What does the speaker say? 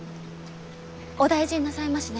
お大事になさいましね。